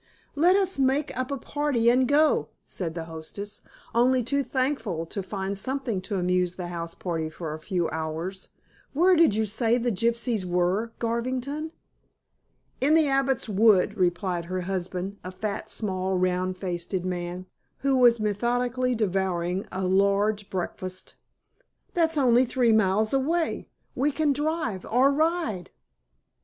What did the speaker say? "Let us make up a party and go," said the hostess, only too thankful to find something to amuse the house party for a few hours. "Where did you say the gypsies were, Garvington?" "In the Abbot's Wood," replied her husband, a fat, small round faced man, who was methodically devouring a large breakfast. "That's only three miles away. We can drive or ride."